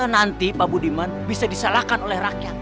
nanti pak budiman bisa disalahkan oleh rakyat